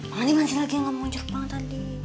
mang liman sih lagi nggak mau nyurup banget tadi